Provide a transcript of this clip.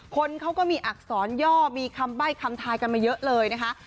คนเขาก็มีอักษรย่อมีคำใบ้คำทายกันมาเยอะเลยนะคะ